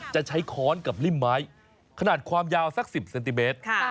จะใช้ค้อนกับริ่มไม้ขนาดความยาวสัก๑๐เซนติเมตร